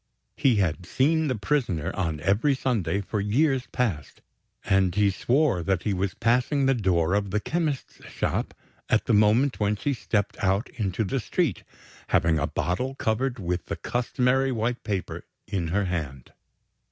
He had seen the prisoner on every Sunday, for years past; and he swore that he was passing the door of the chemist's shop, at the moment when she stepped out into the street, having a bottle covered with the customary white paper in her hand.